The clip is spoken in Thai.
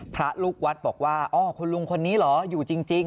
พระลูกวัดบอกว่าอ๋อคุณลุงคนนี้เหรออยู่จริง